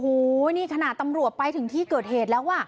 โอ้โหนี่ขนาดตำรวจไปถึงที่เกิดเหตุแล้วอ่ะ